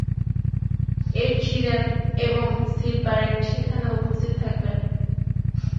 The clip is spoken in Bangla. এড শিরান এবং সিড ব্যারেট সেখানে উপস্থিত থাকবেন।